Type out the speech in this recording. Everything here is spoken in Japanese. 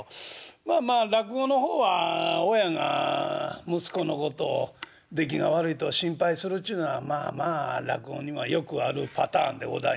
まあまあ落語の方は親が息子のことを出来が悪いと心配するちゅうのはまあまあ落語にはよくあるパターンでございますんですけれどな。